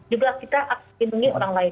juga kita harus melindungi orang lain